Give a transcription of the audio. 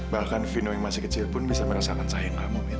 bahkan vino yang masih kecil pun bisa merasakan sayang kamu mil